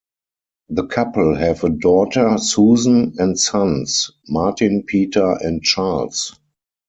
The couple have a daughter Susan, and sons; Martin, Peter and Charles.